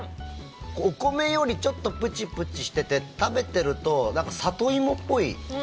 お米よりちょっとプチプチしてて食べてるとなんか里芋っぽい。